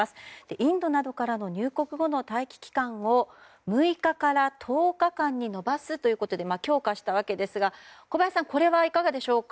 インドなどからの入国後の待機期間を６日から１０日間に延ばすと強化してきたわけですが小林さんこれはいかがでしょうか。